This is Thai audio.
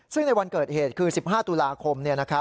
ซึ่งในวันเกิดเหตุคือ๑๕ตุลาคม